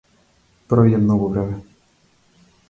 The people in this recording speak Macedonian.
Пројде многу време.